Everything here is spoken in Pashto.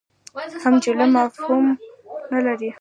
هم جمله مفهوم نه لري.